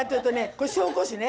これ紹興酒ね